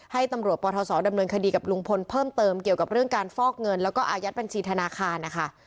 ให้ตำรวจปทศดำเนินคดีกับลุงพลเพิ่มเติมเกี่ยวกับเรื่องการฟอกเงินแล้วก็อายัดบัญชีธนาคารนะคะ